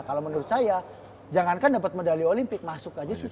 kalau menurut saya jangankan dapat medali olimpik masuk aja susah